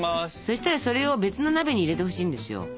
そしたらそれを別の鍋に入れてほしいんですよ。